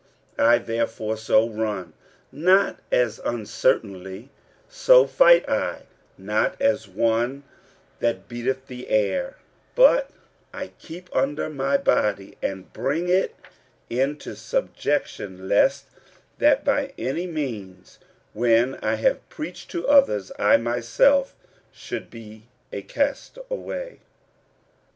46:009:026 I therefore so run, not as uncertainly; so fight I, not as one that beateth the air: 46:009:027 But I keep under my body, and bring it into subjection: lest that by any means, when I have preached to others, I myself should be a castaway.